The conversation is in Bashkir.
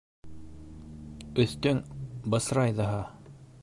Өҫтөң бысрай ҙаһа!